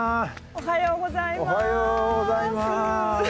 おはようございます。